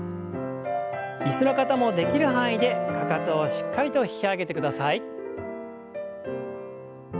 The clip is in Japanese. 椅子の方もできる範囲でかかとをしっかりと引き上げてください。